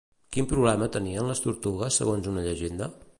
Quin problema tenien les tortugues segons una llegenda?